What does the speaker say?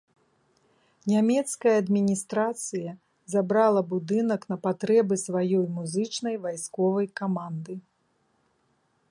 Нямецкая адміністрацыя забрала будынак на патрэбы сваёй музычнай вайсковай каманды.